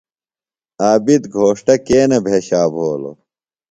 عابد گھوݜٹہ کے نہ بھیشا بھولوۡ؟